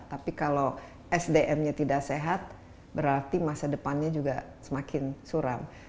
tapi kalau sdm nya tidak sehat berarti masa depannya juga semakin suram